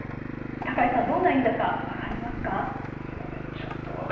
高井さん、どんな意味だか分かりますか。